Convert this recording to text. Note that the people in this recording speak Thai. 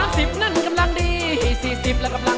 ขอบคุณกับจินมากค่ะ